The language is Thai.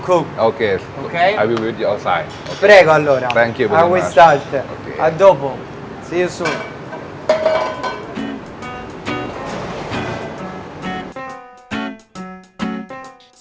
โทษนะเครื่องตาตานสอนด้วย